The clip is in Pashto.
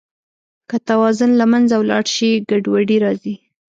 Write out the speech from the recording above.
که توازن له منځه ولاړ شي، ګډوډي راځي.